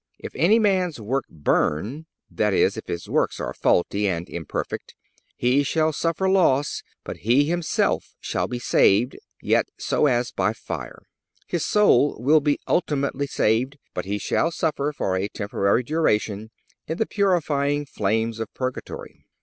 If any man's work burn," that is, if his works are faulty and imperfect, "he shall suffer loss; but he himself shall be saved, yet so as by fire."(284) His soul will be ultimately saved, but he shall suffer, for a temporary duration, in the purifying flames of Purgatory.